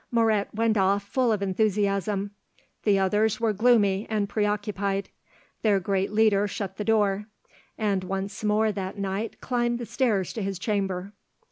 Moret went off full of enthusiasm; the others were gloomy and preoccupied. Their great leader shut the door, and once more that night climbed the stairs to his chamber.